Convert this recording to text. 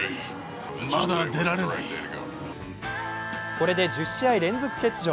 これで１０試合連続欠場。